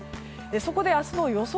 そこで明日の予想